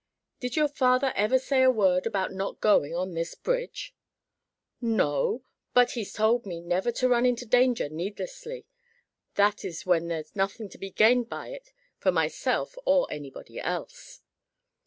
"Did your father ever say a word about not going on this bridge?" "No; but he's told me never to run into danger needlessly; that is when there's nothing to be gained by it for myself or anybody else."